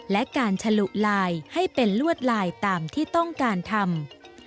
และการฉลุลายให้เป็นลวดลายตามที่ต้องการทำ